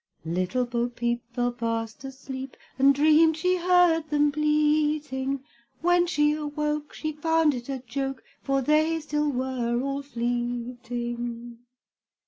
Little Bo peep fell fast asleep, And dreamed she heard them bleating; When she awoke she found it a joke, For they still were all fleeting.